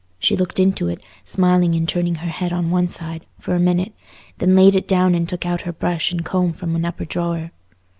She looked into it, smiling and turning her head on one side, for a minute, then laid it down and took out her brush and comb from an upper drawer.